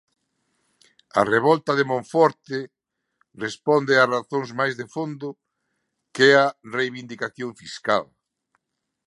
A revolta de Monforte responde á razóns máis de fondo que a reivindicación fiscal.